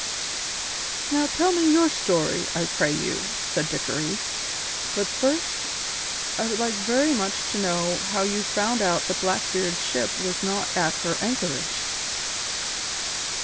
"Now tell me your story, I pray you," said Dickory. "But first, I would like very much to know how you found out that Blackbeard's ship was not at her anchorage?"